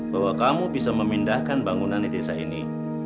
bahwa kamu bisa memindahkan bangunan di desa ini